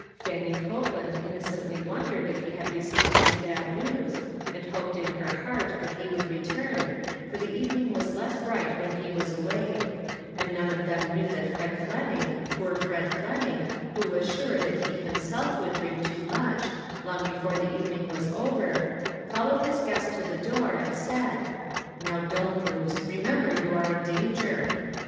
Fannie Copeland innocently wondered if he had received any bad news, and hoped, in her heart that he would return, for the evening was less bright when he was away ; and none of them knew that Fred Fleming, poor Fred Fleming, who was sure that he himself would drink too much, long before the evening was over, followed his guest to the door, and said: " Now don't, Bruce ; remember you are in danger."